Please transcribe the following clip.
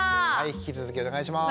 引き続きお願いします。